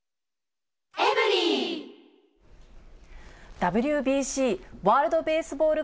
ＷＢＣ・ワールドベースボール